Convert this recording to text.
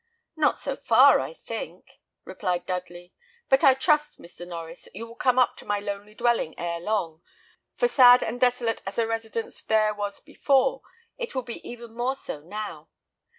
"Not so far, I think," replied Dudley; "but I trust, Mr. Norries, you will come up to my lonely dwelling ere long; for sad and desolate as a residence there was before, it will be even more so now.